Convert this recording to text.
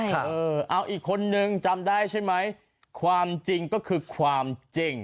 เออเอาอีกคนนึงจำได้ใช่ไหมความจริงก็คือความจริง